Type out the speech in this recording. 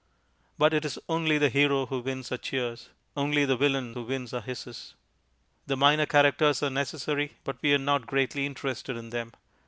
But it is only the Hero who wins our cheers, only the Villain who wins our hisses. The minor characters are necessary, but we are not greatly interested in them.